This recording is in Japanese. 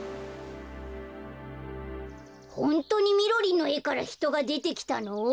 ホントにみろりんのえからひとがでてきたの？